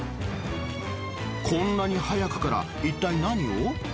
こんなに早くから一体何を？